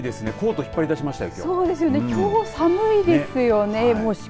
コート引っ張り出しましたよ